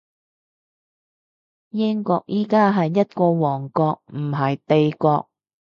英國而家係一個王國，唔係帝國